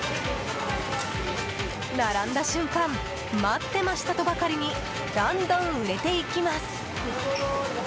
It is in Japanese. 並んだ瞬間待ってましたとばかりにどんどん売れていきます。